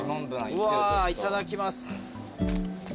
うわいただきます。